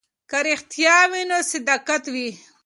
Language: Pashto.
که رښتیا وي نو صداقت وي.